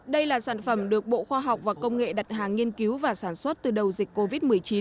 đây là sản phẩm được bộ khoa học và công nghệ đặt hàng nghiên cứu và sản xuất từ đầu dịch covid một mươi chín